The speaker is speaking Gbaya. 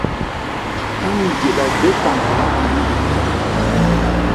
Páŋ geɗa gbɛ́ kpaŋ-láɓi ná.